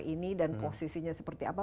ini dan posisinya seperti apa